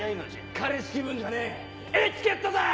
彼氏気分じゃねえエチケットだ！